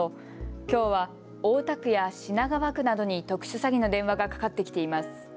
きょうは大田区や品川区などに特殊詐欺の電話がかかってきています。